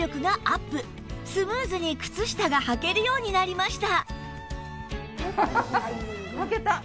スムーズに靴下がはけるようになりました